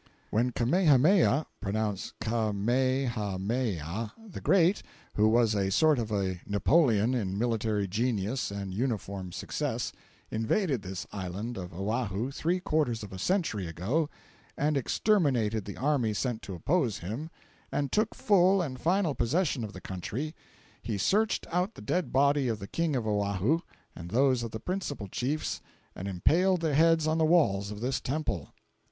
When Kamehameha (pronounced Ka may ha may ah) the Great—who was a sort of a Napoleon in military genius and uniform success—invaded this island of Oahu three quarters of a century ago, and exterminated the army sent to oppose him, and took full and final possession of the country, he searched out the dead body of the King of Oahu, and those of the principal chiefs, and impaled their heads on the walls of this temple.